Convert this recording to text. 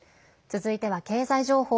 続いては経済情報。